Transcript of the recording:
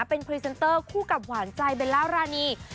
เป็นพรีเซนเตอร์คู่กับหวานใจเบลล่ารานี